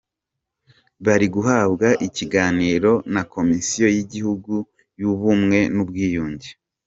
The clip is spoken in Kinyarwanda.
Bari guhabwa iikganiro na Komisiyo y'Igihugu y'Ubumwe n'Ubwiyunge.